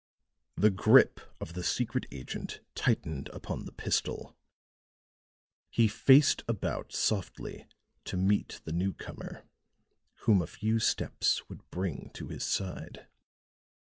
The grip of the secret agent tightened upon the pistol; he faced about softly to meet the newcomer, whom a few steps would bring to his side.